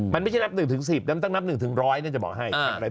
มันไม่ใช่นับ๑๑๐แล้วมันต้องนับ๑๑๐๐จะบอกให้